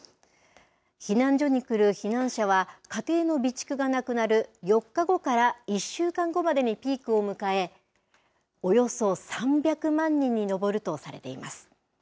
避難所に来る避難者は、家庭の備蓄がなくなる４日後から１週間後までにピークを迎え、およそ３００万人に上るとされています。